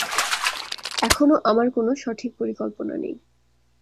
এখনও আমার কোন সঠিক পরিকল্পনা নেই।